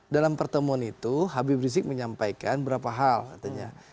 dalam pertemuan itu habib rizik menyampaikan berapa hal katanya